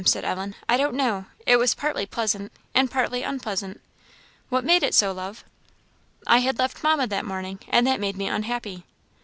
Said Ellen "I don't know it was partly pleasant, and partly unpleasant." "What made it so, love?" "I had left Mamma that morning, and that made me unhappy."